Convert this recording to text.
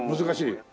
難しい。